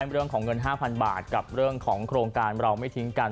เรื่องของเงิน๕๐๐๐บาทกับเรื่องของโครงการเราไม่ทิ้งกัน